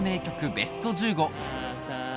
ベスト１５。